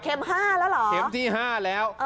๕แล้วเหรอเข็มที่๕แล้ว